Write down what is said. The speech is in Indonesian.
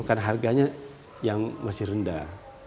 karena harganya yang masih rendah